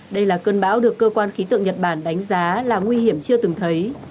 đây là cơn bão được cơ quan khí tượng nhật bản đánh giá là nguy hiểm chưa từng thấy